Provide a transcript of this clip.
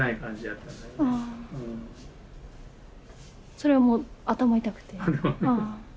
それはもう頭痛くて？